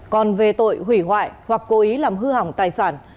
còn về tội hủy hoại hoặc cố ý làm hư hỏng tài sản